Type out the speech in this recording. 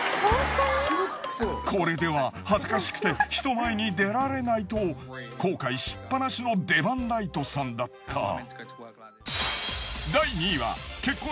これでは恥ずかしくて人前に出られないと後悔しっぱなしのデバン・ライトさんだった。